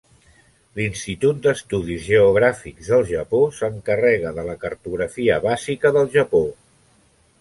L'Institut d'Estudis Geogràfics del Japó s'encarrega de la cartografia bàsica del Japó.